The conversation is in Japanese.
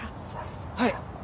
はい。